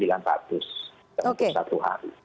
untuk satu hari